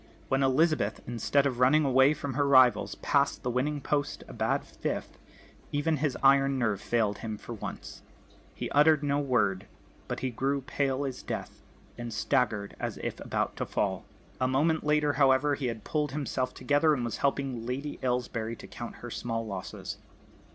When Elizabeth, instead of running away from her rivals, passed the winning post a bad fifth, even his iron nerve failed him for once. He uttered no word; but he grew pale as death, and staggered as if about to fall. A moment later, however, he had pulled himself together and was helping Lady Aylesbury to count her small losses.